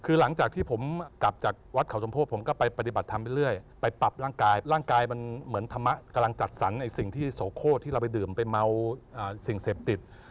คือหลังจากที่ผมกลับจากวัดเขาสมโพธิผมก็ไปปฏิบัติธรรมไปเรื่อยไปปรับร่างกายร่างกายมันเหมือนธรรมะกำลังจัดสรรไอ้สิ่งที่โสโคตรที่เราไปดื่มไปเมาสิ่งเสพติด